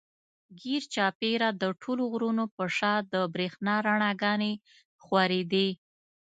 ګېر چاپېره د ټولو غرونو پۀ شا د برېښنا رڼاګانې خورېدې